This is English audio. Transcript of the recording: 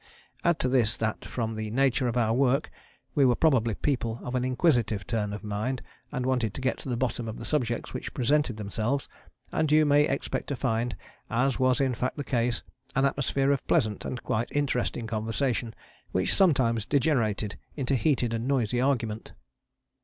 Add to this that from the nature of our work we were probably people of an inquisitive turn of mind and wanted to get to the bottom of the subjects which presented themselves, and you may expect to find, as was in fact the case, an atmosphere of pleasant and quite interesting conversation which sometimes degenerated into heated and noisy argument.